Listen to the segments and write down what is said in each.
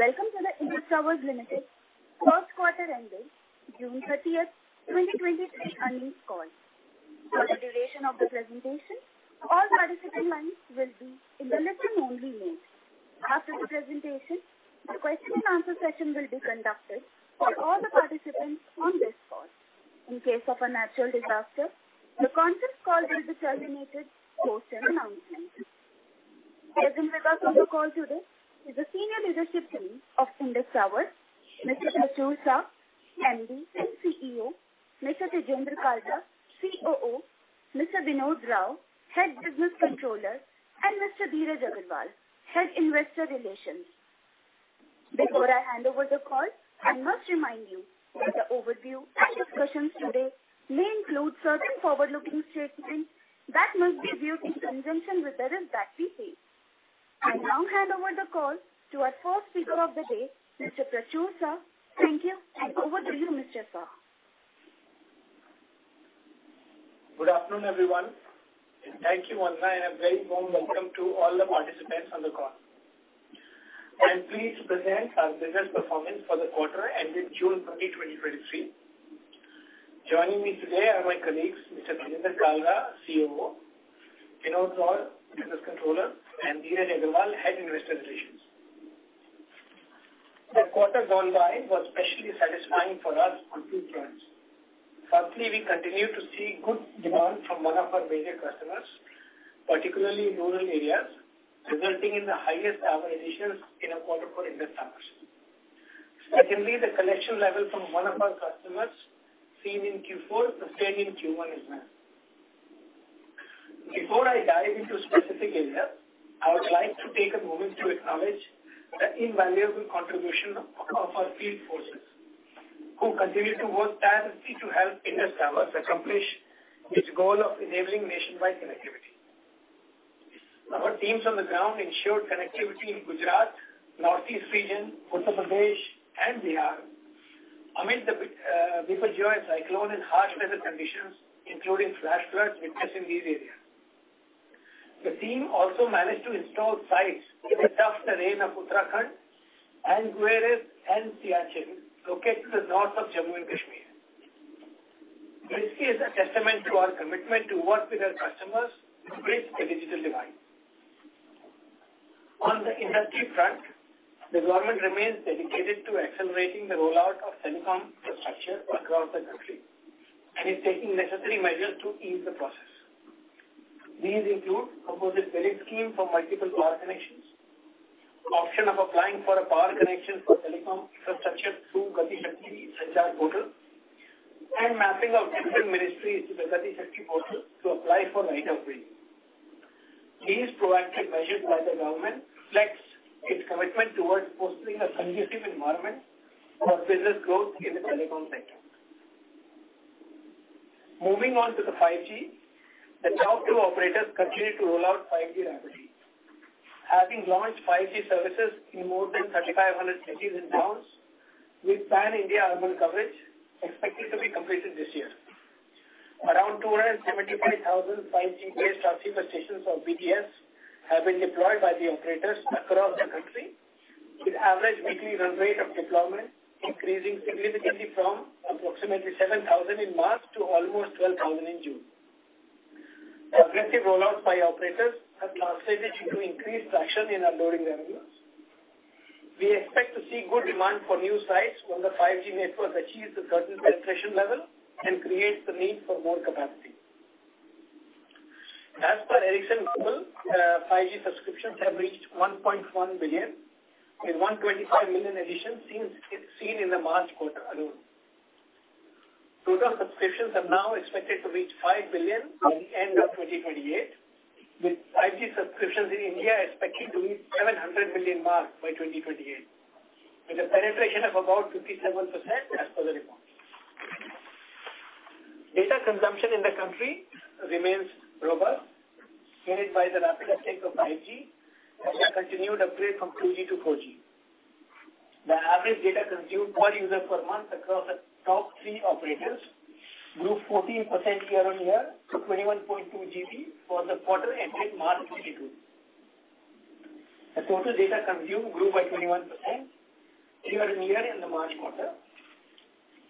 Welcome to the Indus Towers Limited first quarter ending, June 30th, 2023 earnings call. For the duration of the presentation, all participant lines will be in the listen-only mode. After the presentation, the question and answer session will be conducted for all the participants on this call. In case of a natural disaster, the conference call will be terminated post an announcement. Present with us on the call today is the senior leadership team of Indus Towers, Mr. Prachur Sah, MD and CEO, Mr. Tejinder Kalra, COO, Mr. Vinod Rao, Head Business Controller, and Mr. Dheeraj Agarwal, Head Investor Relations. Before I hand over the call, I must remind you that the overview and discussions today may include certain forward-looking statements that must be viewed in conjunction with the risk that we face. I now hand over the call to our first speaker of the day, Mr. Prachur Sah. Thank you. Over to you, Mr. Sah. Good afternoon, everyone, and thank you, Vandana, and a very warm welcome to all the participants on the call. I'm pleased to present our business performance for the quarter ended June 2023. Joining me today are my colleagues, Mr. Tejinder Kalra, COO, Mr. Vinod Rao, Head Business Controller, and Mr. Dheeraj Agarwal, Head Investor Relations. The quarter gone by was especially satisfying for us on 2 fronts. Firstly, we continue to see good demand from one of our major customers, particularly in rural areas, resulting in the highest average additions in a quarter for Indus Towers. Secondly, the collection level from one of our customers seen in fourth quarter, sustained in first quarter as well. Before I dive into specific areas, I would like to take a moment to acknowledge the invaluable contribution of our field forces, who continue to work tirelessly to help Indus Towers accomplish its goal of enabling nationwide connectivity. Our teams on the ground ensured connectivity in Gujarat, Northeast region, Uttar Pradesh, and Bihar. Amid the Biparjoy Cyclone and harsh weather conditions, including flash floods witnessed in these areas. The team also managed to install sites in the tough terrain of Uttarakhand and Gurez and Siachen, located to the north of Jammu and Kashmir. This is a testament to our commitment to work with our customers to bridge the digital divide. On the industry front, the government remains dedicated to accelerating the rollout of telecom infrastructure across the country and is taking necessary measures to ease the process. These include a composite billing scheme for multiple power connections, the option of applying for a power connection for telecom infrastructure through GatiShakti Sanchar Portal, and mapping of different ministries to the Gati Shakti Portal to apply for Right of Way. These proactive measures by the government reflects its commitment towards fostering a conducive environment for business growth in the telecom sector. Moving on to the 5G, the top two operators continue to roll out 5G rapidly. Having launched 5G services in more than 3,500 cities and towns, with Pan-India urban coverage expected to be completed this year. Around 275,000 5G-based stations or BTS, have been deployed by the operators across the country, with average weekly run rate of deployment increasing significantly from approximately 7,000 in March to almost 12,000 in June. Aggressive rollouts by operators have translated into increased traction in our loading revenues. We expect to see good demand for new sites when the 5G network achieves a certain penetration level and creates the need for more capacity. As per Ericsson mobile, 5G subscriptions have reached 1.1 billion, with 125 million additions seen in the March quarter alone. Total subscriptions are now expected to reach 5 billion by the end of 2028, with IT subscriptions in India expected to reach 700 million mark by 2028, with a penetration of about 57% as per the report. Data consumption in the country remains robust, driven by the rapid uptake of 5G and a continued upgrade from 2G to 4G. The average data consumed per user per month across the top three operators, grew 14% year-on-year to 21.2 GB for the quarter ending March 2022. The total data consumed grew by 21% year-on-year in the March quarter.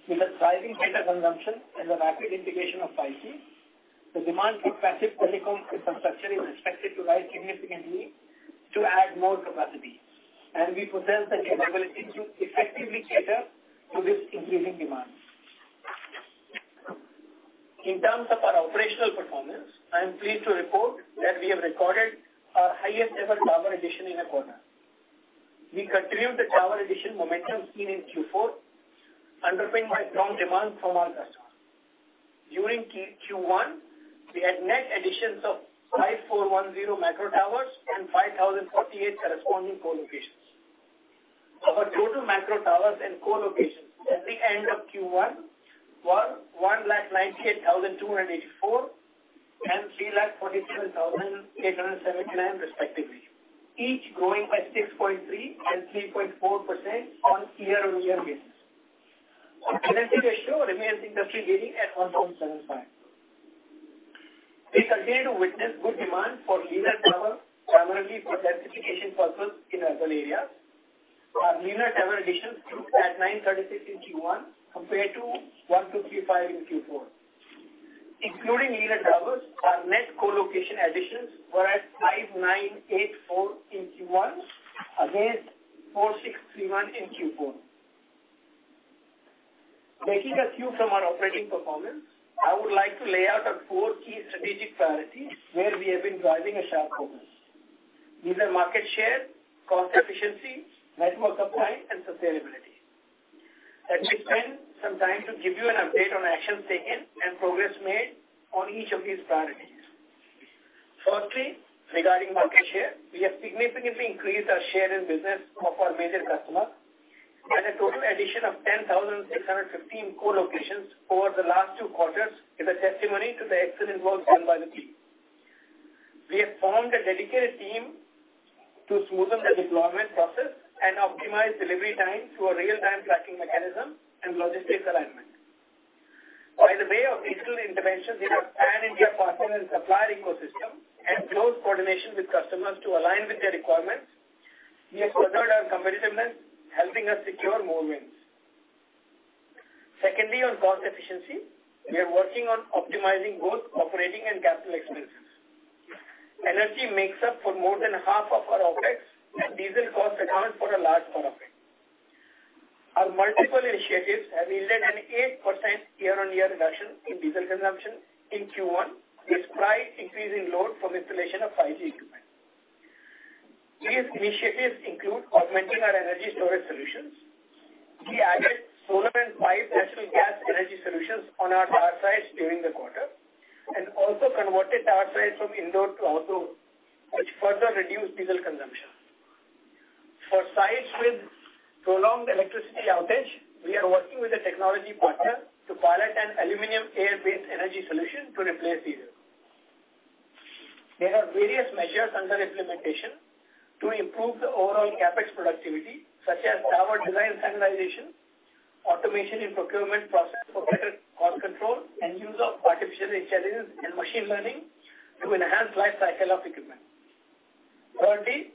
With the rising data consumption and the rapid integration of 5G, the demand for passive telecom infrastructure is expected to rise significantly to add more capacity, and we possess the capability to effectively cater to this increasing demand. In terms of our operational performance, I am pleased to report that we have recorded our highest ever tower addition in a quarter. We continued the tower addition momentum seen in fourth quarter, underpinned by strong demand from our customers. During first quarter, we had net additions of 5,410 micro towers and 5,048 corresponding co-locations. Our total micro towers and co-locations at the end of first quarter, were 198,284 and 347,879, respectively, each growing by 6.3% and 3.4% on year-on-year basis. Our connectivity ratio remains industry leading at 1.75. We continue to witness good demand for linear travel, primarily for densification purposes in urban areas. Our linear travel additions stood at 936 in first quarter, compared to 1,235 in fourth quarter. Including linear towers, our net co-location additions were at 5,984 in first quarter, against 4,631 in fourth quarter. Taking a cue from our operating performance, I would like to lay out our four key strategic priorities where we have been driving a sharp focus. These are market share, cost efficiency, network uptime, and sustainability. Let me spend some time to give you an update on actions taken and progress made on each of these priorities. Firstly, regarding market share, we have significantly increased our share in business of our major customer. A total addition of 10,615 co-locations over the last 2 quarters is a testimony to the excellent work done by the team. We have formed a dedicated team to smoothen the deployment process and optimize delivery time to a real-time tracking mechanism and logistics alignment. By the way of digital interventions, we have pan-India partner and supplier ecosystem. Close coordination with customers to align with their requirements. We have partnered our competitiveness, helping us secure more wins. Secondly, on cost efficiency, we are working on optimizing both operating and capital expenses. Energy makes up for more than half of our OpEx, and diesel costs account for a large part of it. Our multiple initiatives have led an 8% year-on-year reduction in diesel consumption in first quarter, despite increasing load from installation of 5G equipment. These initiatives include augmenting our energy storage solutions. We added solar and piped natural gas energy solutions on our tower sites during the quarter, and also converted our sites from indoor to outdoor, which further reduced diesel consumption. For sites with prolonged electricity outage, we are working with a technology partner to pilot an aluminum air-based energy solution to replace diesel. There are various measures under implementation to improve the overall CapEx productivity, such as tower design standardization, automation in procurement process for better cost control, and use of artificial intelligence and machine learning to enhance life cycle of equipment. Thirdly,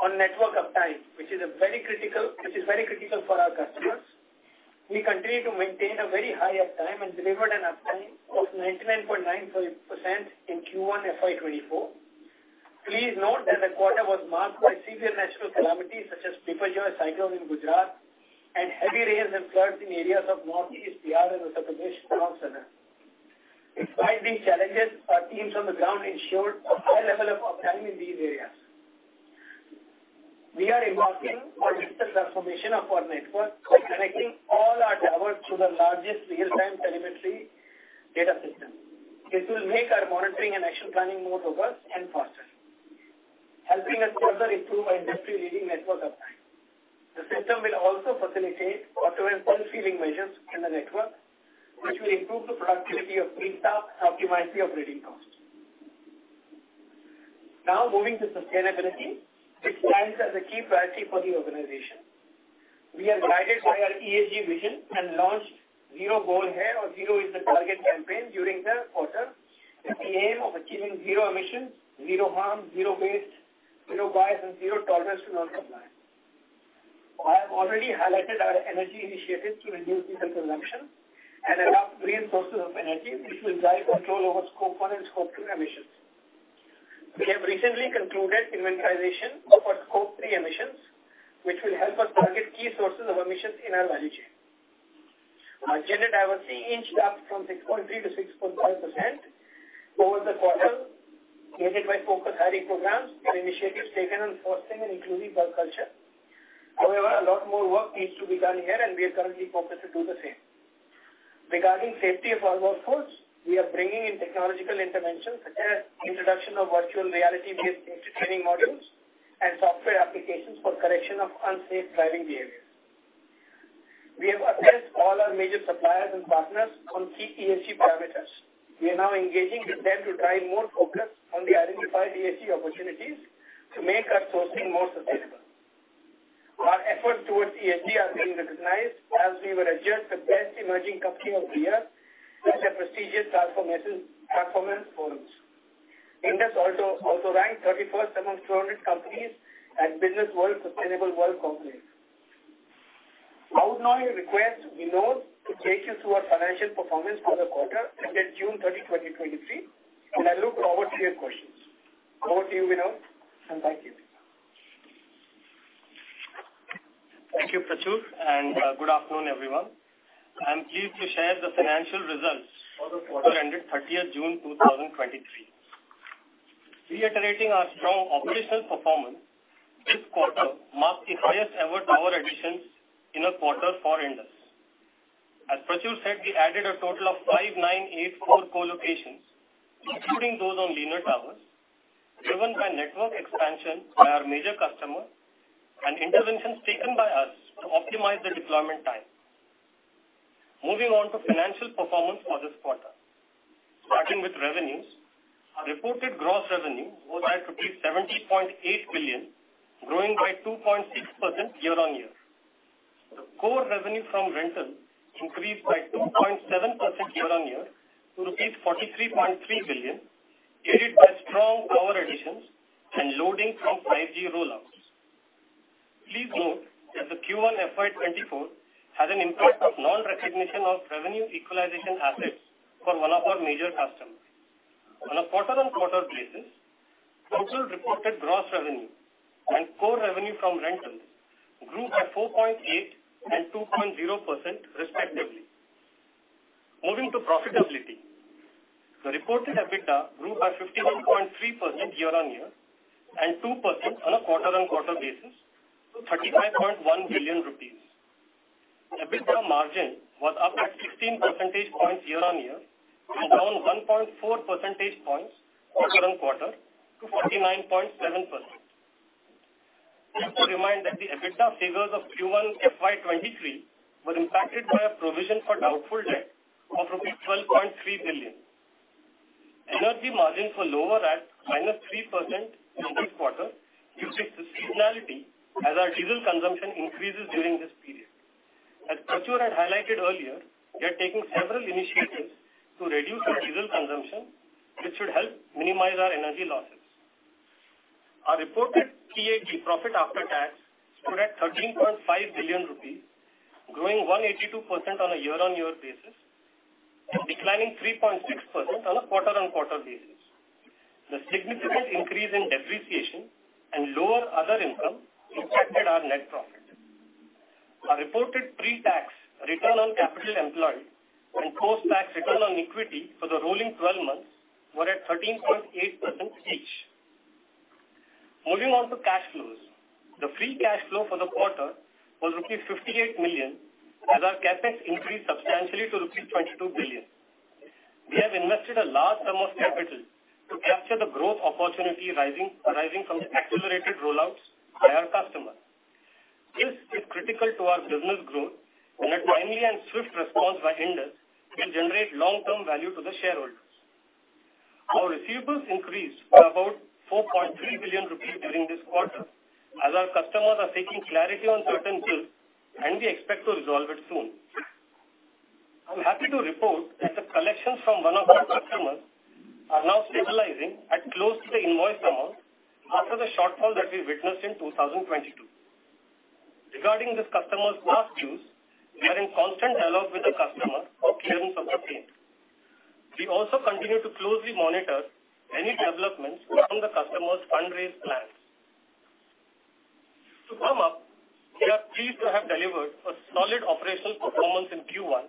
on network uptime, which is very critical for our customers. We continue to maintain a very high uptime and delivered an uptime of 99.9% in first quarter FY24. Please note that the quarter was marked by severe national calamities, such as Biparjoy cyclone in Gujarat, and heavy rains and floods in areas of Northeast, Bihar, and Uttar Pradesh, also. Despite these challenges, our teams on the ground ensured a high level of uptime in these areas. We are embarking on digital transformation of our network by connecting all our towers to the largest real-time telemetry data system. It will make our monitoring and action planning more robust and faster, helping us further improve our industry-leading network uptime. The system will also facilitate auto and pulse-healing measures in the network, which will improve the productivity of field staff and optimize the operating costs. Now, moving to sustainability, which stands as a key priority for the organization. We are guided by our ESG vision and launched Zero Goal Hai or Zero is the Target campaign during the quarter, with the aim of achieving zero emissions, zero harm, zero waste, zero bias, and zero tolerance to non-compliance. I have already highlighted our energy initiatives to reduce diesel consumption and adopt green sources of energy, which will drive control over scope one and scope two emissions. We have recently concluded inventorization of our scope three emissions, which will help us target key sources of emissions in our value chain. Our gender diversity inched up from 6.3 to 6.5% over the quarter, aided by focused hiring programs and initiatives taken on forcing and including both culture. However, a lot more work needs to be done here, and we are currently focused to do the same. Regarding safety of our workforce, we are bringing in technological interventions, such as introduction of virtual reality-based safety training modules and software applications for correction of unsafe driving behavior. We have assessed all our major suppliers and partners on key ESG parameters. We are now engaging with them to drive more focus on the identified ESG opportunities to make our sourcing more sustainable. Our efforts towards ESG are being recognized as we were adjudged The Best Emerging Company of the Year at the prestigious Transformation Performance Forums. Indus also ranked 31st amongst 200 companies at BW Sustainable World Conclave. I would now request Vinod to take you through our financial performance for the quarter ended June 30, 2023, and I look forward to your questions. Over to you, Vinod, and thank you. Thank you, Prachur, good afternoon, everyone. I'm pleased to share the financial results for the quarter ended 30th June 2023. Reiterating our strong operational performance, this quarter marked the highest ever tower additions in a quarter for Indus. As Prachur said, we added a total of 5,984 co-locations, including those on linear towers, driven by network expansion by our major customer and interventions taken by us to optimize the deployment time. Moving on to financial performance for this quarter. Starting with revenues, our reported gross revenue was 70.8 billion, growing by 2.6% year-on-year. Core revenue from rental increased by 2.7% year-on-year to rupees 43.3 billion, aided by strong tower additions and loading from 5G rollouts. Please note that the first quarter FY24 had an impact of non-recognition of revenue equalization assets for one of our major customers. On a quarter-on-quarter basis, total reported gross revenue and core revenue from rentals grew by 4.8% and 2.0%, respectively. Moving to profitability, the reported EBITDA grew by 15.3% year-on-year and 2% on a quarter-on-quarter basis to 35.1 billion rupees. EBITDA margin was up at 16 percentage points year-on-year and down 1.4 percentage points quarter-on-quarter to 49.7%. Energy margin for lower at -3% in this quarter, due to seasonality as our diesel consumption increases during this period. As Prachur had highlighted earlier, we are taking several initiatives to reduce our diesel consumption, which should help minimize our energy losses. Our reported PAT, profit after tax, stood at 13.5 billion rupees, growing 182% on a year-on-year basis, declining 3.6% on a quarter-on-quarter basis. The significant increase in depreciation and lower other income impacted our net profit. Our reported pre-tax return on capital employed and post-tax return on equity for the rolling 12 months were at 13.8% each. Moving on to cash flows. The free cash flow for the quarter was rupees 58 million, as our CapEx increased substantially to rupees 22 billion. We have invested a large sum of capital to capture the growth opportunity rising, arising from the accelerated rollouts by our customers. This is critical to our business growth. A timely and swift response by Indus will generate long-term value to the shareholders. Our receivables increased to about 4.3 billion rupees during this quarter, as our customers are seeking clarity on certain bills, and we expect to resolve it soon. I'm happy to report that the collections from one of our customers are now stabilizing at close to the invoice amount after the shortfall that we witnessed in 2022. Regarding this customer's past dues, we are in constant dialogue with the customer for clearance of the same. We also continue to closely monitor any developments from the customer's fundraise plans. To sum up, we are pleased to have delivered a solid operational performance in first quarter,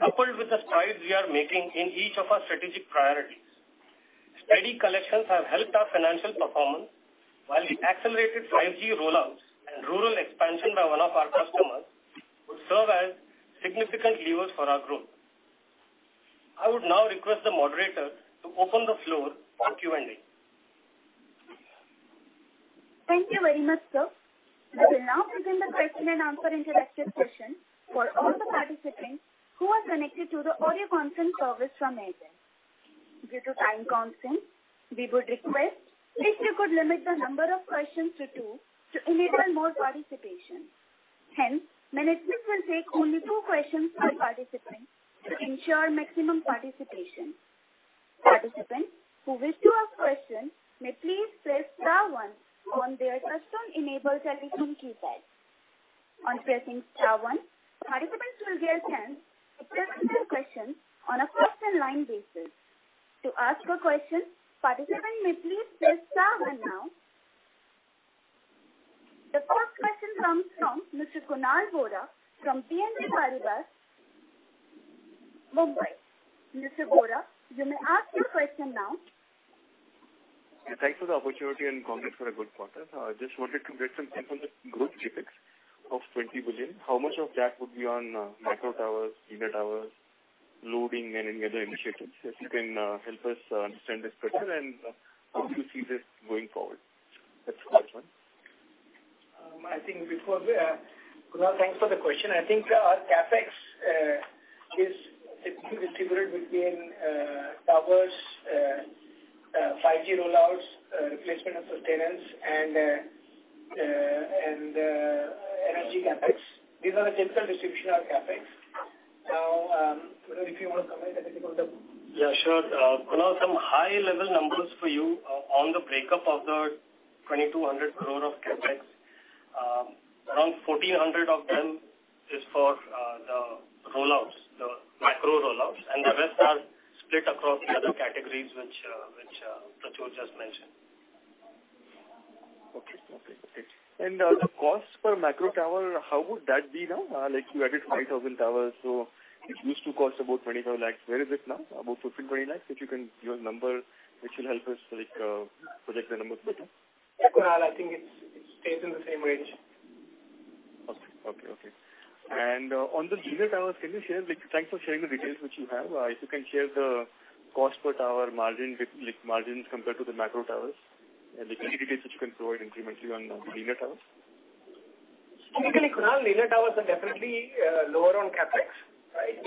coupled with the strides we are making in each of our strategic priorities. Steady collections have helped our financial performance, while the accelerated 5G rollouts and rural expansion by one of our customers will serve as significant levers for our growth. I would now request the moderator to open the floor for Q&A. Thank you very much, sir. We will now begin the question and answer interactive session for all the participants who are connected to the audio conference service from Aiden. Due to time constraints, we would request if you could limit the number of questions to 2 to enable more participation. Management will take only 2 questions per participant to ensure maximum participation. Participants who wish to ask questions may please press star one on their customer enable telecom keypad. On pressing star one, participants will get a chance to present their questions on a first in line basis. To ask a question, participants may please press star one now. The first question comes from Mr. Kunal Vora, from BNP Paribas, Mumbai. Mr. Vora, you may ask your question now. Thanks for the opportunity, and congrats for a good quarter. I just wanted to get some info on the growth CapEx of 20 billion. How much of that would be on macro towers, linear towers, loading, and any other initiatives? If you can help us understand this better, and how do you see this going forward? That's my question. I think before... Kunal, thanks for the question. I think our CapEx is typically distributed between towers, 5G rollouts, replacement of the tenants, and energy CapEx. These are the general distribution of CapEx. Kunal, if you want to comment anything on the- Yeah, sure. Kunal, some high-level numbers for you on the breakup of the 2,200 crore of CapEx. Around 1,400 of them is for the rollouts, the macro rollouts, and the rest are split across the other categories, which, which Prachur just mentioned. Okay. Okay. The cost per macro tower, how would that be now? Like you added 5,000 towers, so it used to cost about 25 lakh. Where is it now? About 15-20 lakh, if you can give a number, which will help us, like, project the numbers better. Yeah, Kunal, I think it's, it stays in the same range. Okay. Okay, okay. On the linear towers, can you share the. Thanks for sharing the details which you have. If you can share the cost per tower margin, like, margin compared to the macro towers, and the any details which you can provide incrementally on the linear towers? Typically, Kunal, linear towers are definitely lower on CapEx, right?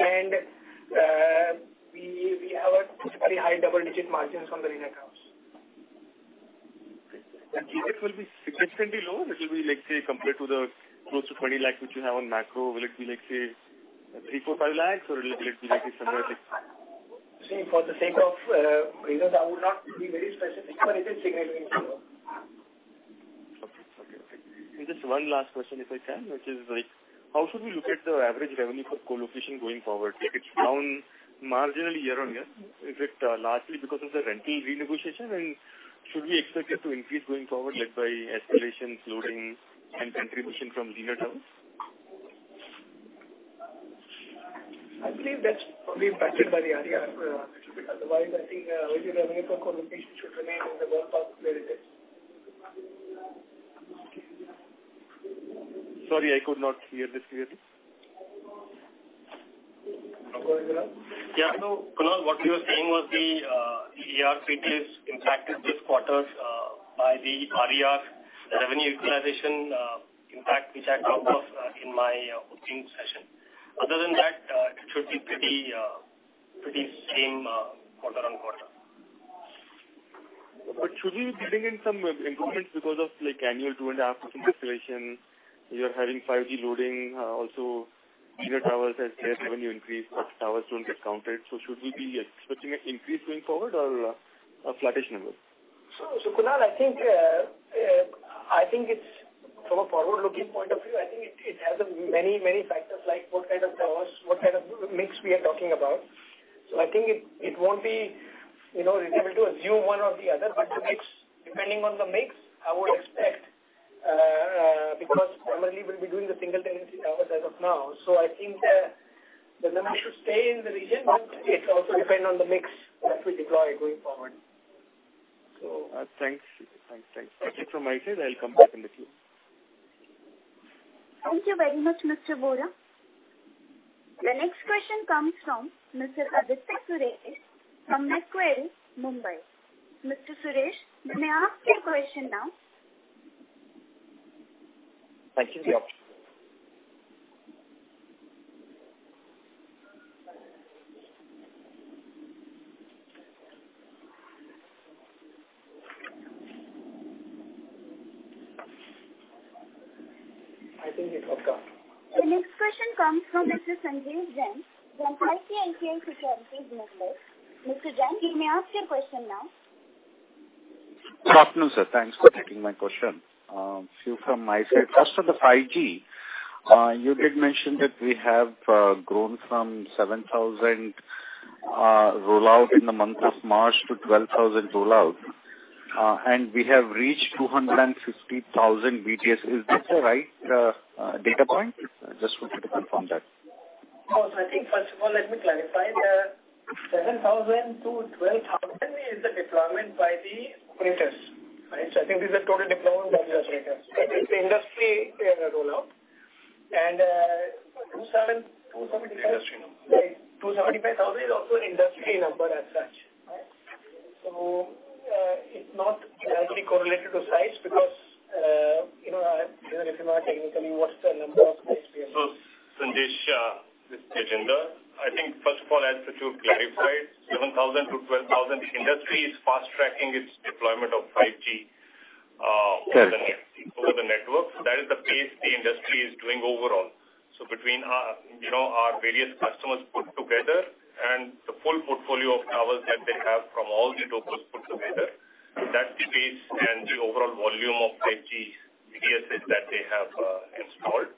We have a very high double-digit margins on the linear towers. ... will be significantly lower. It will be like, say, compared to the close to 20 lakhs, which you have on macro, will it be like, say, 3 lakhs, 4 lakhs, 5 lakhs, or will it be like somewhere like- For the sake of, you know, I would not be very specific, but it is significantly lower. Okay. Okay. Just one last question, if I can, which is like, how should we look at the average revenue for co-location going forward? If it's down marginally year-on-year, is it largely because of the rental renegotiation, and should we expect it to increase going forward, led by escalation, loading, and contribution from linear towers? I believe that's probably impacted by the ARIA. Otherwise, I think, original revenue for co-location should remain in the ballpark where it is. Sorry, I could not hear this clearly. Kunal, what you were saying was the ERCP is impacted this quarter by the RER, the revenue utilization impact, which I talked about in my opening session. Other than that, it should be pretty pretty same quarter-on-quarter. Should we be getting in some improvements because of, like, annual 2.5% escalation? You're having 5G loading, also linear towers as their revenue increase, but towers don't get counted. Should we be expecting an increase going forward or a flattish number? So, Kunal, I think, I think it's from a forward-looking point of view, I think it, it has many, many factors, like what kind of towers, what kind of mix we are talking about. I think it, it won't be, you know, you're able to assume one or the other, but the mix, depending on the mix, I would expect, because primarily we'll be doing the single tenancy towers as of now. I think, the numbers should stay in the region, but it also depend on the mix that we deploy going forward. Thanks. Thanks. Thanks. That's it from my side. I'll come back in the queue. Thank you very much, Mr. Vora. The next question comes from Mr. Aditya Suresh from Macquarie, Mumbai. Mr. Suresh, you may ask your question now. Thank you. I think it got cut. The next question comes from Mr. Sanjay Jain, ICICI Securities, Mumbai. Mr. Jain, you may ask your question now. Good afternoon, sir. Thanks for taking my question. few from my side. First of the 5G, you did mention that we have grown from 7,000 rollout in the month of March to 12,000 rollout, and we have reached 250,000 BTS. Is this the right data point? Just wanted to confirm that. I think, first of all, let me clarify. The 7,000-12,000 is the deployment by the operators, right? I think this is a total deployment of the industry rollout. 275 Industry. Right. 275,000 is also an industry number as such, right? It's not directly correlated to size, because, you know, I, if you want to tell me, what's the number of the industry? Sanjay Jain, this is Tejinder Kalra. I think, first of all, as the 2 clarified, 7,000-12,000, the industry is fast-tracking its deployment of 5G over the, over the network. That is the pace the industry is doing overall. Between our, you know, our various customers put together and the full portfolio of towers that they have from all the locals put together, that's the pace and the overall volume of 5G BTSs that they have installed.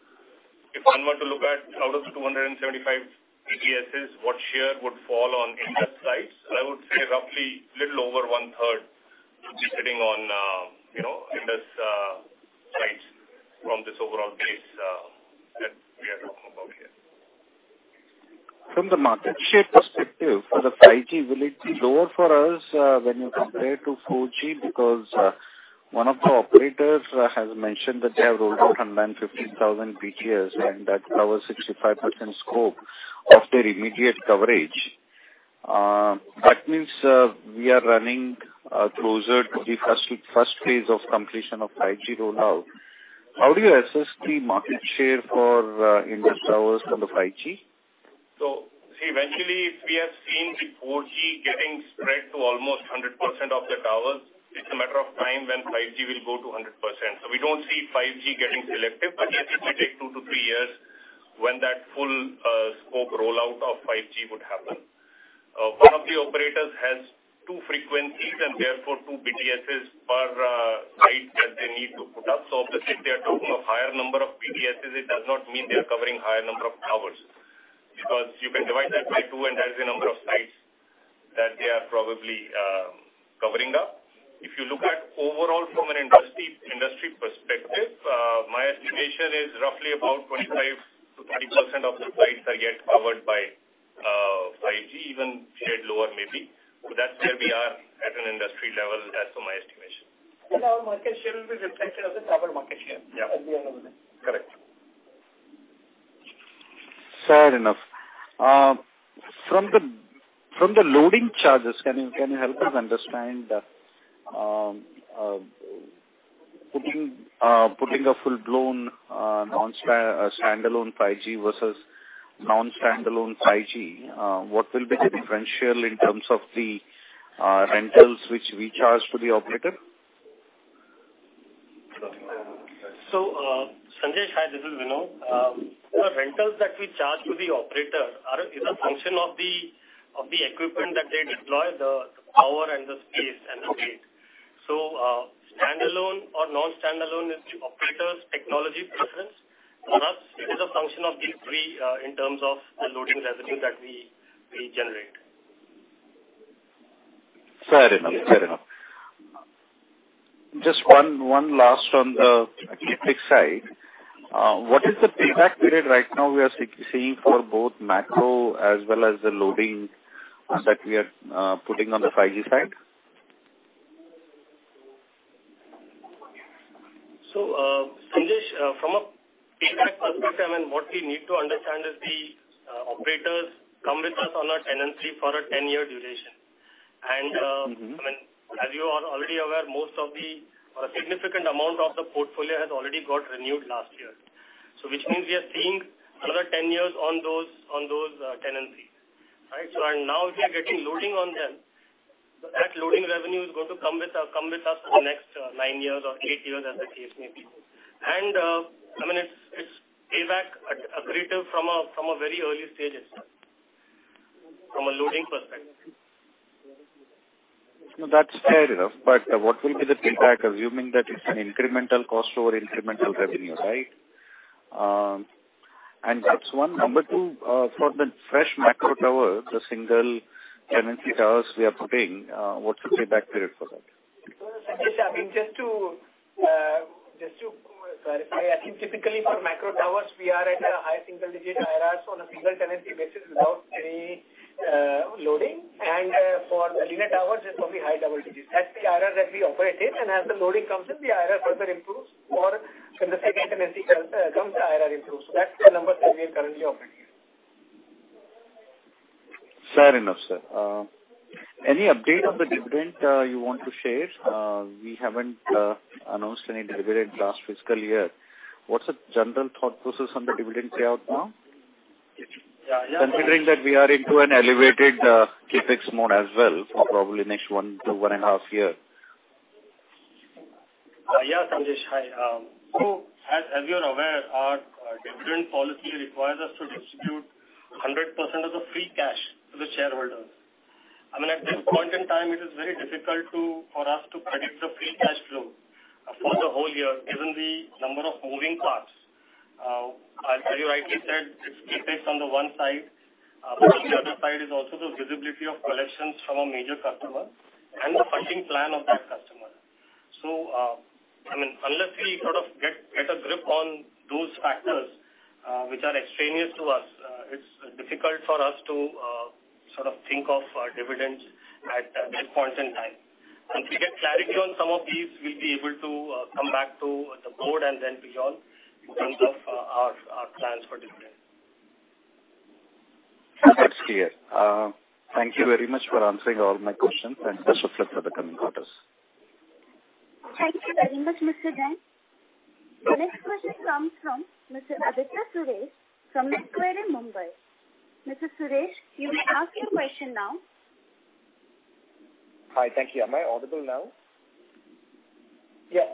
If one were to look at out of the 275 BTSs, what share would fall on Indus Towers sites, I would say roughly a little over one-third would be sitting on, you know, Indus sites from this overall base that we are talking about here. From the market share perspective, for the 5G, will it be lower for us, when you compare to 4G? One of the operators has mentioned that they have rolled out 150,000 BTS, and that covers 65% scope of their immediate coverage. That means, we are running closer to the first phase of completion of 5G rollout. How do you assess the market share for Indus Towers for the 5G? See, eventually, we have seen the 4G getting spread to almost 100% of the towers. It's a matter of time when 5G will go to 100%. We don't see 5G getting selective, but I think it may take 2-3 years when that full scope rollout of 5G would happen. One of the operators has 2 frequencies and therefore 2 BTSs per site that they need to put up. If they are talking of higher number of BTSs, it does not mean they are covering higher number of towers, because you can divide that by 2, and that is the number of sites that they are probably covering up. If you look at overall from an industry, industry perspective, my estimation is roughly about 25%-30% of the sites are yet covered by 5G, even shared lower maybe. That's where we are at an industry level, as to my estimation. Our market share will be reflected on the tower market share. Yeah. At the end of the day. Correct. Fair enough. From the loading charges, can you help us understand, putting a full-blown, standalone 5G versus non-standalone 5G, what will be the differential in terms of the rentals which we charge to the operator? Sanjay, hi, this is Vinod. The rentals that we charge to the operator are, is a function of the, of the equipment that they deploy, the power and the space and the weight. Standalone or non-standalone is the operator's technology preference. For us, it is a function of these three, in terms of the loading revenue that we, we generate. Fair enough. Fair enough. Just one, one last on the CapEx side. what is the payback period right now we are seeing for both macro as well as the loading that we are putting on the 5G side? Sanjay, from a payback perspective, and what we need to understand is the operators come with us on a tenancy for a 10-year duration. Mm-hmm. I mean, as you are already aware, most of the, or a significant amount of the portfolio has already got renewed last year. Which means we are seeing another 10 years on those, on those tenancy. Right? Now we are getting loading on them. That loading revenue is going to come with us, come with us for the next 9 years or 8 years, as the case may be. I mean, it's, it's payback accretive from a, from a very early stage, from a loading perspective. No, that's fair enough. What will be the payback, assuming that it's an incremental cost over incremental revenue, right? That's one. Number two, for the fresh macro tower, the single tenancy towers we are putting, what's the payback period for that? Sanjay, I mean, just to, just to clarify, I think typically for macro towers, we are at a high single digit IRRs on a single tenancy basis without any loading. For the linear towers, it's probably high double digits. That's the IRR that we operate in, and as the loading comes in, the IRR further improves, or when the second tenancy comes, comes, the IRR improves. That's the number that we are currently operating. Fair enough, sir. Any update of the dividend you want to share? We haven't announced any dividend last fiscal year. What's the general thought process on the dividend payout now? Yeah. Considering that we are into an elevated, CapEx mode as well for probably next 1 to 1.5 year. Yeah, Sanjay, hi. As, as you are aware, our dividend policy requires us to distribute 100% of the free cash to the shareholders. I mean, at this point in time, it is very difficult to, for us to predict the free cash flow for the whole year, given the number of moving parts. As you rightly said, it's CapEx on the one side, but on the other side is also the visibility of collections from a major customer and the funding plan of that customer. I mean, unless we sort of get, get a grip on those factors, which are extraneous to us, it's difficult for us to sort of think of dividends at this point in time. Once we get clarity on some of these, we'll be able to come back to the board and then beyond in terms of our, our plans for dividend. That's clear. Thank you very much for answering all my questions, and best of luck for the coming quarters. Thank you very much, Mr. Jain. The next question comes from Mr. Aditya Suresh from Macquarie in Mumbai. Mr. Suresh, you may ask your question now. Hi, thank you. Am I audible now? Yes.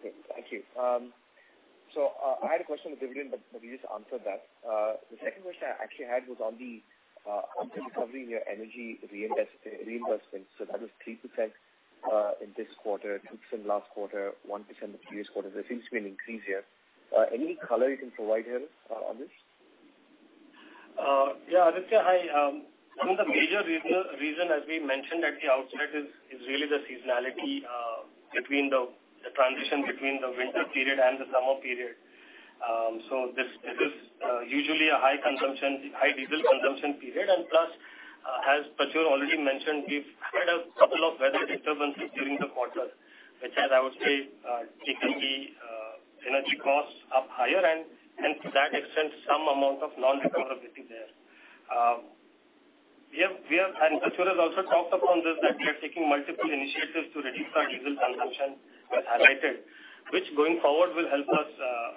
Okay, thank you. I had a question on dividend, but, but you just answered that. The second question I actually had was on the, on the recovery, your energy reinvest, reinvestment. That is 3% in this quarter, 2% last quarter, 1% the previous quarter. There seems to be an increase here. Any color you can provide here, on this? Yeah, Aditya, hi. One of the major reason, reason, as we mentioned at the outset, is, is really the seasonality between the transition between the winter period and the summer period. So this, this is usually a high consumption, high diesel consumption period. Plus, as Prachur already mentioned, we've had a couple of weather disturbances during the quarter, which has, I would say, typically energy costs up higher, and, and to that extent, some amount of non-recoverability there. We have, we have, and Prachur has also talked upon this, that we are taking multiple initiatives to reduce our diesel consumption, as highlighted, which, going forward, will help us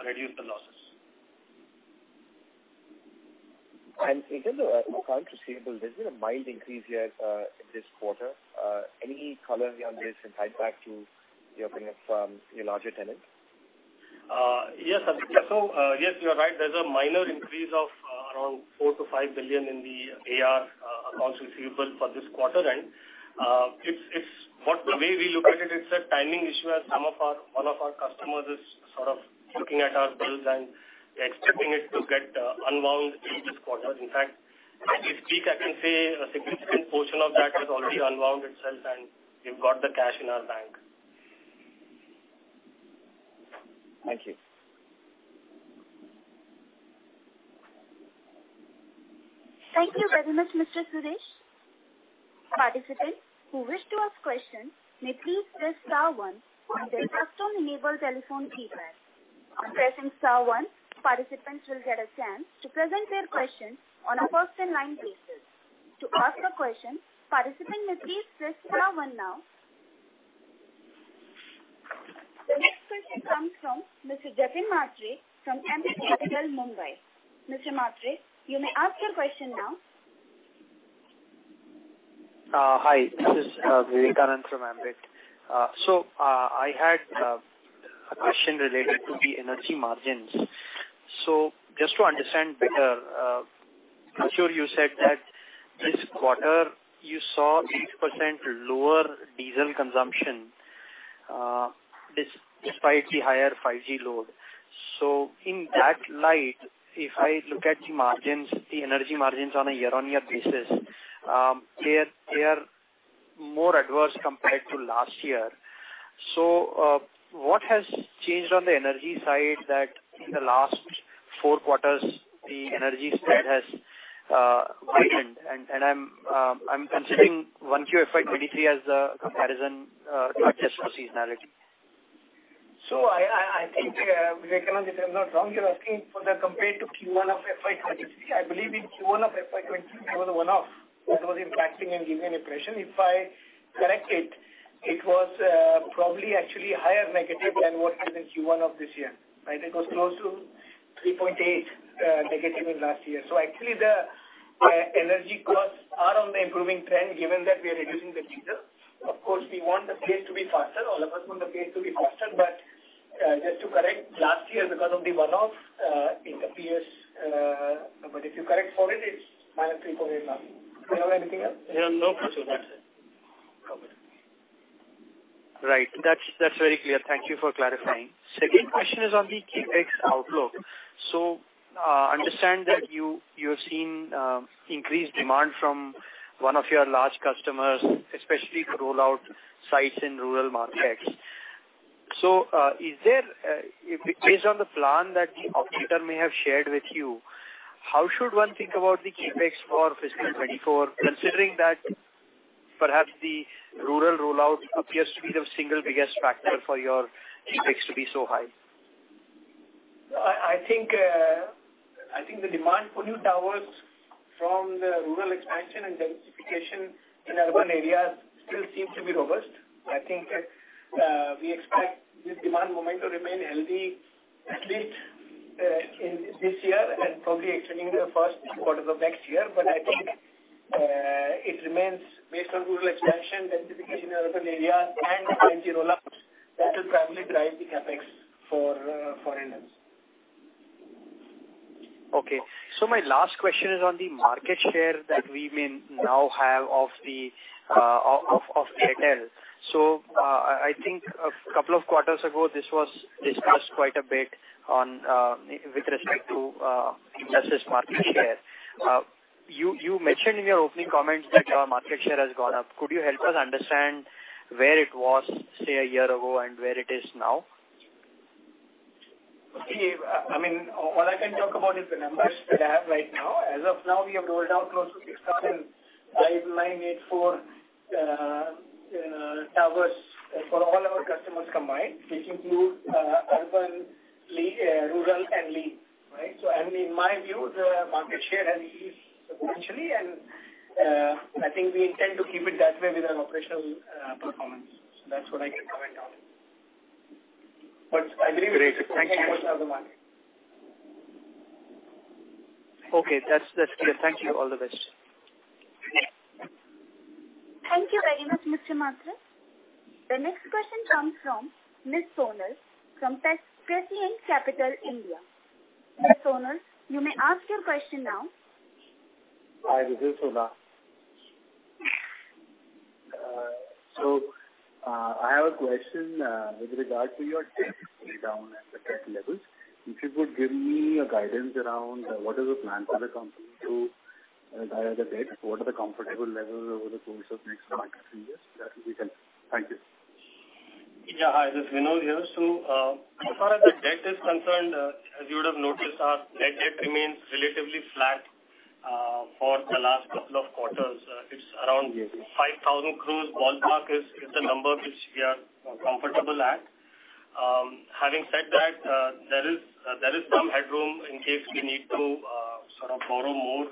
reduce the losses. In terms of accounts receivable, there's been a mild increase here, this quarter. Any color on this and pipe back to your larger tenants? Yes, Aditya. Yes, you are right. There's a minor increase of around 4 billion-5 billion in the AR, accounts receivable for this quarter. It's a timing issue, as some of our, one of our customers is sort of looking at our bills and expecting it to get unwound in this quarter. In fact, this week, I can say a significant portion of that has already unwound itself, and we've got the cash in our bank. Thank you. Thank you very much, Mr. Suresh. Participants who wish to ask questions may please press star one on their custom enable telephone keypad. On pressing star one, participants will get a chance to present their questions on a first in line basis. To ask a question, participant may please press star one now. The next question comes from Mr. Navin Matta, from Ambit Capital, Mumbai. Mr. Matta, you may ask your question now. Hi, this is Vivekanand from Ambit. I had a question related to the energy margins. Just to understand better, I'm sure you said that this quarter, you saw 8% lower diesel consumption despite the higher 5G load. In that light, if I look at the margins, the energy margins on a year-on-year basis, they are more adverse compared to last year. What has changed on the energy side that in the last 4 quarters, the energy spread has widened? I'm considering first quarter FY23 as a comparison just for seasonality. I think, Vivekanand, if I'm not wrong, you're asking for that compared to first quarter of FY23. I believe in first quarter of FY23, there was a one-off that was impacting and giving an impression. If I correct it, it was probably actually higher negative than what was in first quarter of this year, right? It was close to 3.8 negative in last year. Actually, the energy costs are on the improving trend, given that we are reducing the diesel. Of course, we want the pace to be faster. All of us want the pace to be faster, but just to correct, last year, because of the one-off, it appears. If you correct for it, it's -3.8 last year. Do you have anything else? No, sir. That's it. Okay. Right. That's, that's very clear. Thank you for clarifying. Second question is on the CapEx outlook. I understand that you, you have seen increased demand from one of your large customers, especially for rollout sites in rural markets. Is there, if based on the plan that the operator may have shared with you, how should one think about the CapEx for fiscal 2024, considering that perhaps the rural rollout appears to be the single biggest factor for your CapEx to be so high? I, I think, I think the demand for new towers from the rural expansion and densification in urban areas still seems to be robust. I think, we expect this demand momentum to remain healthy, at least, in this year and probably extending the first quarter of next year. I think, it remains based on rural expansion, densification in urban areas, and 5G rollouts, that will probably drive the CapEx for, for Indus. Okay. So my last question is on the market share that we may now have of the, of, of Airtel. I, I think a couple of quarters ago, this was discussed quite a bit on with respect to Indus' market share. You, you mentioned in your opening comments that your market share has gone up. Could you help us understand where it was, say, a year ago and where it is now? Okay. I, I mean, all I can talk about is the numbers that I have right now. As of now, we have rolled out close to 605,984 towers for all our customers combined, which include urban, rural, right? I mean, in my view, the market share has increased substantially, and I think we intend to keep it that way with an operational performance. That's what I can comment on. I believe- Great. Thank you. Most of the market. Okay, that's, that's clear. Thank you. All the best. Thank you very much, Mr. Matta. The next question comes from Mr. Sonal, from Pescient Capital, India. Mr. Sonal, you may ask your question now. Hi, this is Sonal. I have a question with regard to your debt down at the tech levels. If you could give me a guidance around what is the plan for the company to dial the debt, what are the comfortable levels over the course of next 2 or 3 years? That will be helpful. Thank you. Yeah, hi, this is Vinod here. As far as the debt is concerned, as you would have noticed, our net debt remains relatively flat for the last couple of quarters. It's around 5,000 crore. Ballpark is the number which we are comfortable at. Having said that, there is some headroom in case we need to sort of borrow more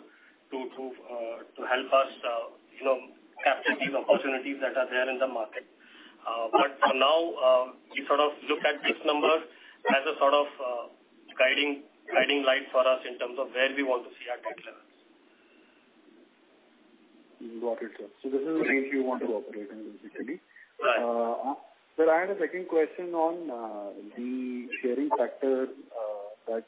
to help us, you know, capture these opportunities that are there in the market. For now, we sort of look at this number as a guiding light for us in terms of where we want to see our debt levels. You got it, sir. This is the way you want to operate in, basically. Right. Sir, I had a second question on the sharing factor that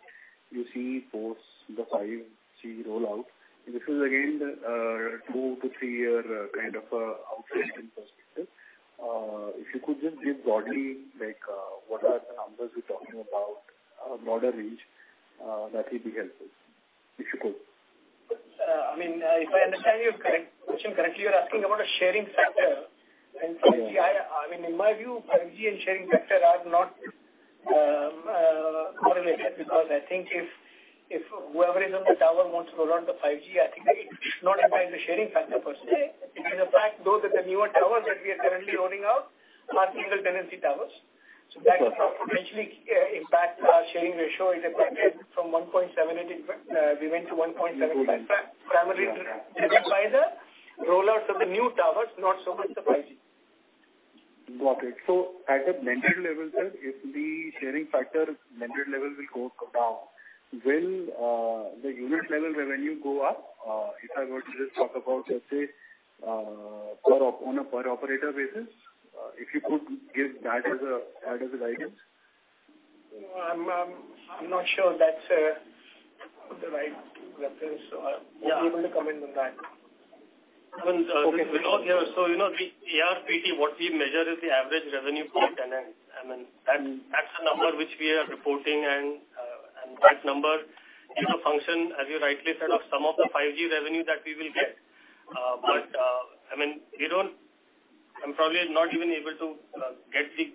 you see post the 5G rollout. This is again a 2-3 year kind of outsourcing perspective. If you could just give broadly, like, what are the numbers you're talking about, broader reach, that will be helpful. If you could. I mean, if I understand your correct, question correctly, you're asking about a sharing factor? Yeah. Actually, I, I mean, in my view, 5G and sharing factor are not correlated, because I think if, if whoever is on the tower wants to roll out the 5G, I think not impact the sharing factor. That the newer towers that we are currently rolling out are single tenancy towers. That will potentially impact our sharing ratio is affected from 1.78, we went to 1.75. Primarily driven by the roll out of the new towers, not so much the 5G. Got it. At a mandate level, sir, if the sharing factor mandate level will go, go down, will, the unit level revenue go up? If I were to just talk about, let's say, per on a per operator basis, if you could give that as a, as a guidance. I'm not sure that's the right reference. Yeah. won't be able to comment on that. Okay. You know, we, ARPT, what we measure is the average revenue per tenant. I mean, that's, that's the number which we are reporting, and that number is a function, as you rightly said, of some of the 5G revenue that we will get. But, I mean, we don't... I'm probably not even able to get the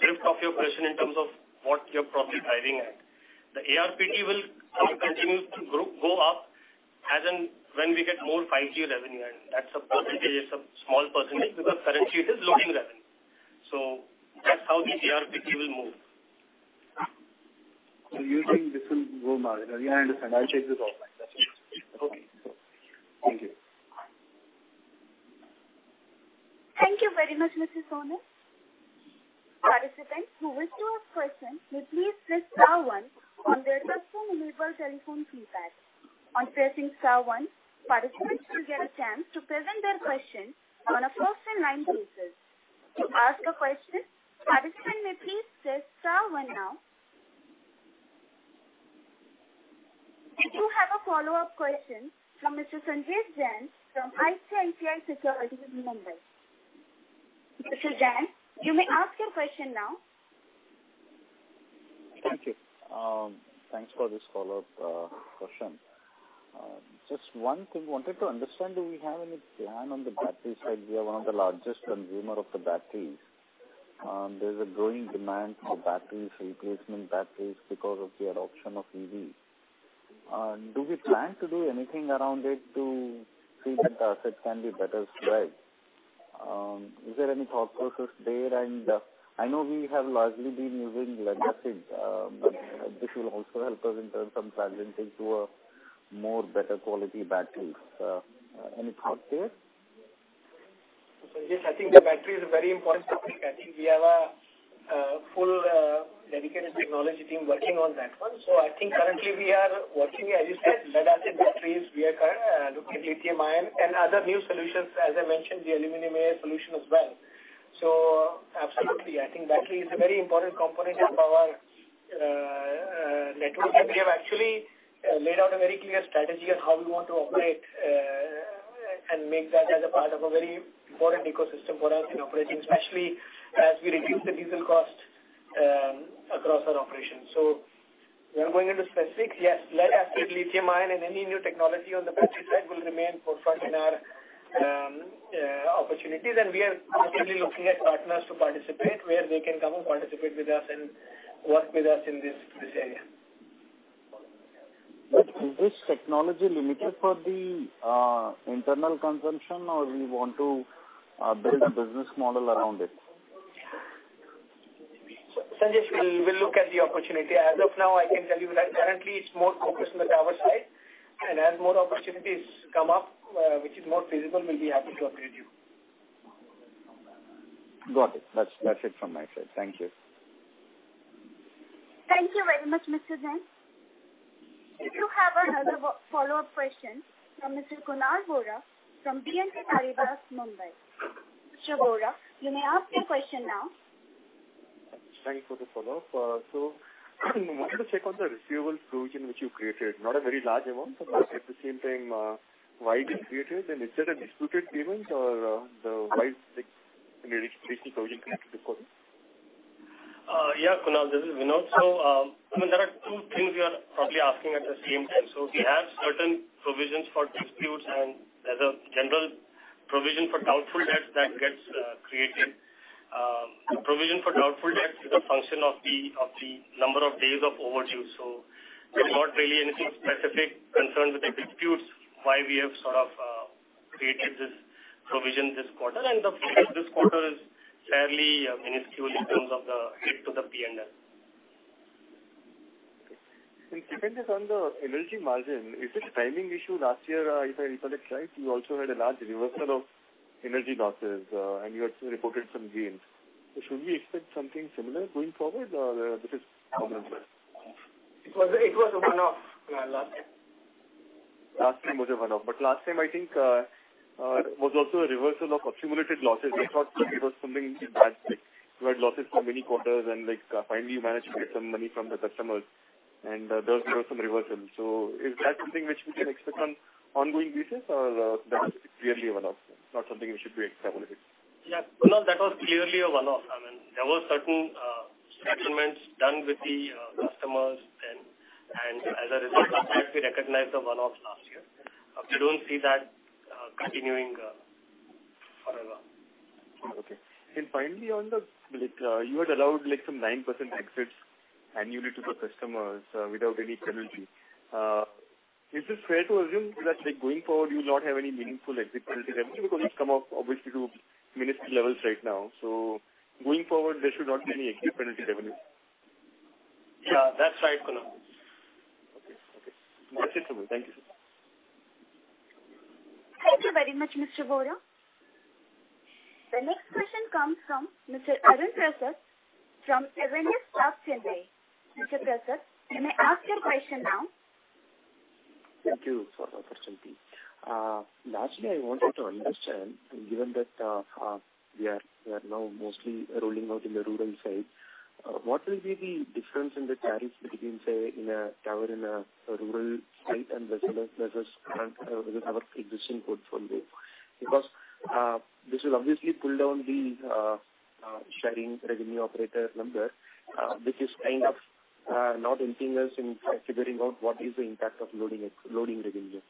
drift of your question in terms of what you're probably driving at. The ARPT will continue to grow, go up as in when we get more 5G revenue, and that's a percentage, it's a small percentage, because currently it is loading revenue. That's how the ARPT will move. You think this will go marginal? Yeah, I understand. I'll check this off. That's it. Okay. Thank you. Thank you very much, Mr. Sonal. Participants who wish to ask questions, may please press star one on their customer mobile telephone keypad. On pressing star one, participants will get a chance to present their question on a first in line basis. To ask a question, participants may please press star one now. We do have a follow-up question from Mr. Sanjay Jain, from ICICI Securities, Mumbai. Mr. Jain, you may ask your question now. Thank you. Thanks for this follow-up question. Just one thing. Wanted to understand, do we have any plan on the battery side? We are one of the largest consumer of the batteries. There's a growing demand for batteries, replacement batteries, because of the adoption of EV. Do we plan to do anything around it to see that the assets can be better supplied? Is there any thought process there? I know we have largely been using lead-acid, but this will also help us in terms of transitioning to a more better quality batteries. Any thought there? Yes, I think the battery is a very important topic. I think we have a full dedicated technology team working on that one. I think currently we are watching, as you said, lead-acid batteries. We are current looking at lithium-ion and other new solutions, as I mentioned, the aluminum air solution as well. Absolutely, I think battery is a very important component of our network. We have actually laid out a very clear strategy on how we want to operate and make that as a part of a very important ecosystem for us in operating, especially as we reduce the diesel cost across our operations. We are going into specifics. Yes, lead-acid, lithium-ion, and any new technology on the battery side will remain forefront in our opportunities, and we are actively looking at partners to participate, where they can come and participate with us and work with us in this, this area. Is this technology limited for the, internal consumption, or we want to, build a business model around it? Sanjay, we'll look at the opportunity. As of now, I can tell you that currently it's more focused on the tower side, and as more opportunities come up, which is more feasible, we'll be happy to upgrade you. Got it. That's, that's it from my side. Thank you. Thank you very much, Mr. Jain. We do have another follow-up question from Mr. Kunal Vora from BNP Paribas, Mumbai. Mr. Vora, you may ask your question now. Thanks for the follow-up. Wanted to check on the receivables provision which you created. Not a very large amount. At the same time, why it is created? Is it a disputed payment? The why is the provision connected to quarter? Yeah, Kunal, this is Vinod. I mean, there are two things you are probably asking at the same time. We have certain provisions for disputes, and there's a general provision for doubtful debts that gets created. Provision for doubtful debts is a function of the, of the number of days of overdue. There's not really anything specific concerned with the disputes, why we have sort of created this provision this quarter. The provision this quarter is fairly minuscule in terms of the hit to the PNL. Second is on the energy margin. Is it a timing issue? Last year, if I recall it right, you also had a large reversal of energy losses, and you had reported some gains. Should we expect something similar going forward, or this is one-off? It was, it was a one-off, last year. Last time it was a one-off, but last time I think, was also a reversal of accumulated losses. It's not like it was something bad, like, you had losses for many quarters, and, like, finally you managed to get some money from the customers, and, there was, there was some reversal. Is that something which we can expect on ongoing basis, or, that is clearly a one-off, not something we should be extrapolating? Yeah. Kunal, that was clearly a one-off. I mean, there were certain settlements done with the customers then. As a result, we recognized the one-off last year. We don't see that continuing forever. Okay. Finally, on the, like, you had allowed, like, some 9% exits annually to the customers, without any penalty. Is it fair to assume that, like, going forward, you will not have any meaningful exit penalty revenue because you've come up obviously to ministry levels right now. Going forward, there should not be any exit penalty revenue? Yeah, that's right, Kunal Vora. Okay. Okay. That's it for me. Thank you, sir. Thank you very much, Mr. Vora. The next question comes from Mr. Arun Prasad from Avendus Spark. Mr. Prasad, you may ask your question now. Thank you for the opportunity. Lastly, I wanted to understand, given that, we are, we are now mostly rolling out in the rural side, what will be the difference in the tariffs between, say, in a tower in a rural site and versus, versus, versus our existing portfolio? This will obviously pull down the sharing revenue operator number, which is kind of not helping us in figuring out what is the impact of loading, loading revenues.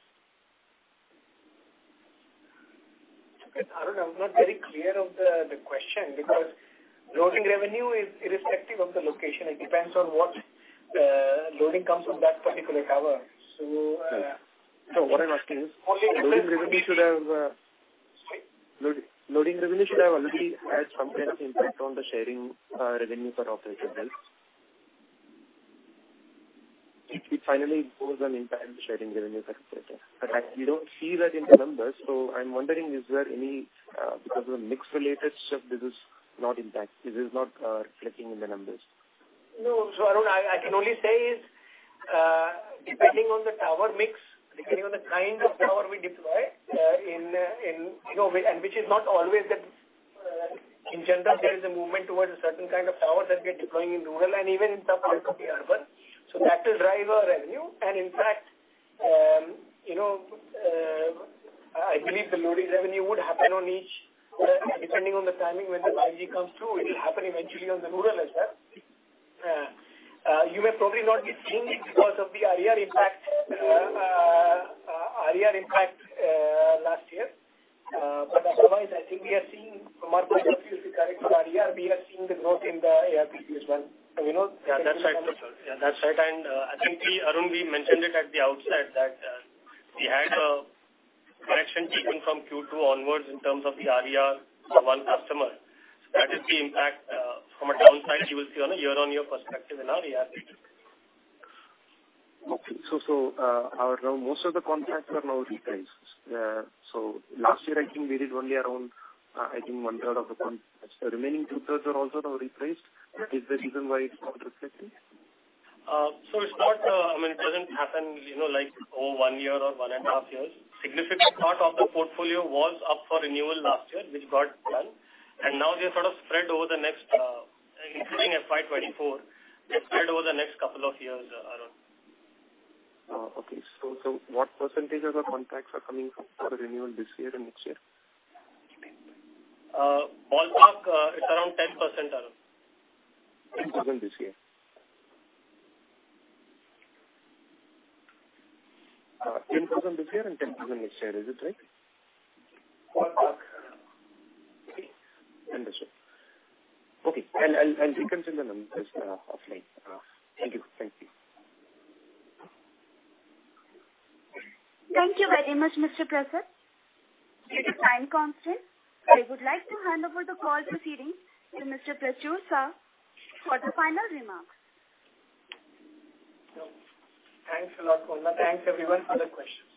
Arun, I'm not very clear of the, the question, because loading revenue is irrespective of the location. It depends on what, loading comes from that particular tower. What I'm asking is, loading revenue should have, loading revenue should have already had some kind of impact on the sharing revenue for operator health. It, it finally goes on impact the sharing revenue for operator, but we don't see that in the numbers. I'm wondering, is there any because of the mix related stuff, this is not impact, this is not reflecting in the numbers. No. Arun, I, I can only say is, depending on the tower mix, depending on the kind of tower we deploy, in, in, you know, and which is not always the... In general, there is a movement towards a certain kind of tower that we are deploying in rural and even in some parts of the urban. That will drive our revenue. In fact, you know, I believe the loading revenue would happen on each, depending on the timing, when the 5G comes through, it will happen eventually on the rural as well. You may probably not be seeing it because of the ARIA impact, ARIA impact, last year. Otherwise, I think we are seeing, from our point of view, if you correct for ARIA, we are seeing the growth in the ARP as well. You know. Yeah, that's right. Yeah, that's right. I think we, Arun, we mentioned it at the outset that we had a correction taken from second quarter onwards in terms of the ARIA for one customer. That is the impact from a downside, you will see on a year-on-year perspective in our ARIA. Okay. Our most of the contracts are now replaced. Last year, I think we did only around, I think 1/3 of the contracts. The remaining 2/3 are also now replaced. Is the reason why it's not reflecting? It's not, I mean, it doesn't happen, you know, like, over 1 year or 1.5 years. Significant part of the portfolio was up for renewal last year, which got done, and now they're sort of spread over the next, including FY24. They're spread over the next 2 years, Arun. Okay. What percentage of the contracts are coming up for renewal this year and next year? Ballpark, it's around 10%, Arun. 10% this year? 10% this year and 10% next year, is it right? Ballpark. Okay, understood. Okay, I'll, I'll, I'll reconsider the numbers, offline. Thank you. Thank you. Thank you very much, Mr. Prasad. Due to time constraints, I would like to hand over the call proceedings to Mr. Prachur Sah, for the final remarks. Thanks a lot, Kunal Vora. Thanks, everyone, for the questions.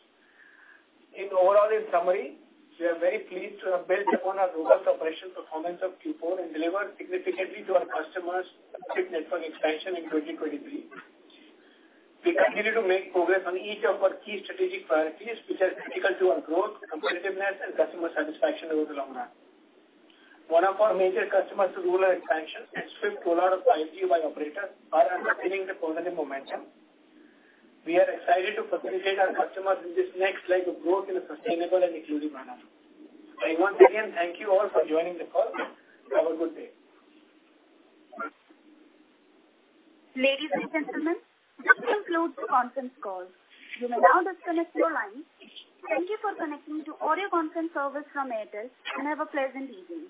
In overall, in summary, we are very pleased to have built upon our robust operation performance of fourth quarter and delivered significantly to our customers with network expansion in 2023. We continue to make progress on each of our key strategic priorities, which are critical to our growth, competitiveness and customer satisfaction over the long run. One of our major customers to rural expansion and swift roll out of 5G by operators are underpinning the positive momentum. We are excited to facilitate our customers in this next leg of growth in a sustainable and inclusive manner. I want to again thank you all for joining the call. Have a good day. Ladies and gentlemen, this concludes the conference call. You may now disconnect your lines. Thank you for connecting to Audio Conference Service from Airtel, and have a pleasant evening.